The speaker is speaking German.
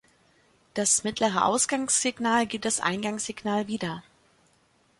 Das mittlere Ausgangssignal gibt das Eingangssignal wieder.